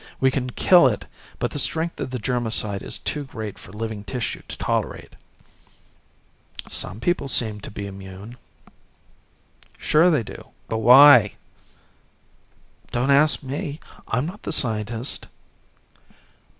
We can kill it, but the strength of the germicide is too great for living tissue to tolerate." "Some people seem to be immune." "Sure they do but why?" "Don't ask me. I'm not the scientist."